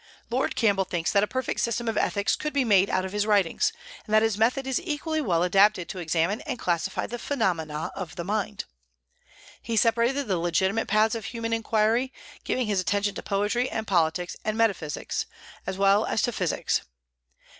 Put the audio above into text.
Lord Campbell thinks that a perfect system of ethics could be made out of his writings, and that his method is equally well adapted to examine and classify the phenomena of the mind. He separated the legitimate paths of human inquiry, giving his attention to poetry and politics and metaphysics, as well as to physics.